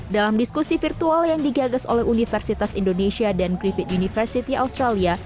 dalam diskusi virtual yang digagas oleh universitas indonesia dan griffith university australia